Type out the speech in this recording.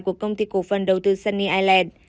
của công ty cổ phân đầu tư sunny island